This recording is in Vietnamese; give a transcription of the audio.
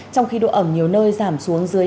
trong khi độ ẩm nhiều nơi giảm xuống dưới năm mươi năm